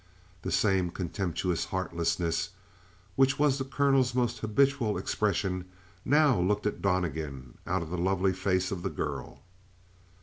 The same contemptuous heartlessness, which was the colonel's most habitual expression, now looked at Donnegan out of the lovely face of the girl.